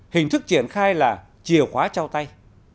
hình thức triển khai là chìa khóa trao tay